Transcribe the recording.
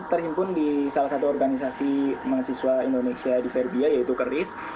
terhimpun di salah satu organisasi mahasiswa indonesia di serbia yaitu keris